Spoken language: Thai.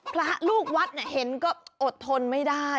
พระลูกวัดเห็นก็อดทนไม่ได้